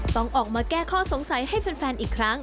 ต้องออกมาแก้ข้อสงสัยให้แฟนอีกครั้ง